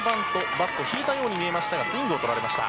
バット引いたように見えましたがスイングを取られました。